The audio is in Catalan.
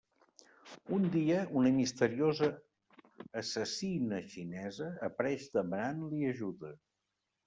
Un dia, una misteriosa Assassina xinesa apareix demanant-li ajuda.